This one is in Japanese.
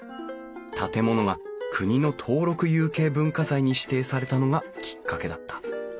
建物が国の登録有形文化財に指定されたのがきっかけだった。